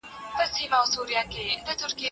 که لابراتواري لارښووني تعقیب سي، خطر نه پېښېږي.